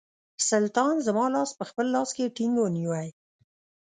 سلطان زما لاس په خپل لاس کې ټینګ ونیوی.